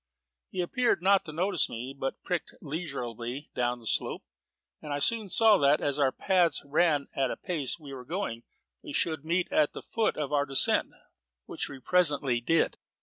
He appeared not to notice me, but pricked leisurably down the slope, and I soon saw that, as our paths ran and at the pace we were going, we should meet at the foot of the descent: which we presently did.